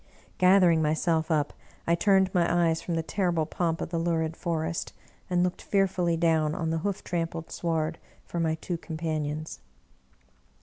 Gathering myself up, I turned my eyes from the terrible pomp of the lurid forest, and looked fearfully down on the hoof trampled sward for my two companions.